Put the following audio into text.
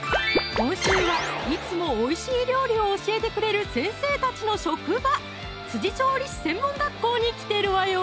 今週はいつもおいしい料理を教えてくれる先生たちの職場・調理師専門学校に来てるわよ！